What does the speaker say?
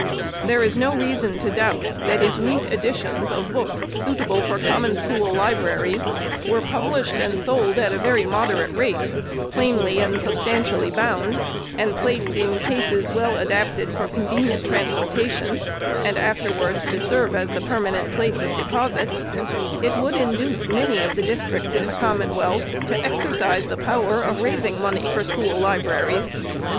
There is no reason to doubt, that if neat editions of books suitable for Com mon School libraries were published and sold at a very moderate rate, plainly and substantially bound, and placed in cases well adapted for convenient transporta tion, and afterwards to serve as the permanent place of deposit, it would induce many of the districts in the Com monwealth to exercise the power of raising money for school libraries.